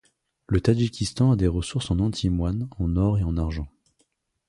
Le Tadjikistan a des ressources en antimoine, en or et en argent.